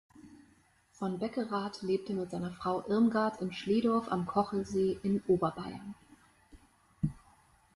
Von Beckerath lebte mit seiner Frau Irmgard in Schlehdorf am Kochelsee in Oberbayern.